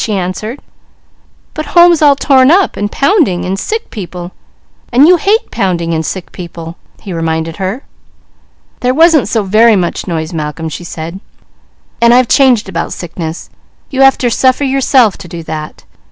she answered. "But home's all torn up, and pounding and sick people, and you hate pounding and sick people," he reminded her. "There wasn't so very much noise, Malcolm," she said, "and I've changed about sickness. You have to suffer yourself to do that.